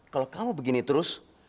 kalau kamu begini terus